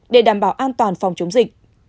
để đảm bảo an toàn phòng chống dịch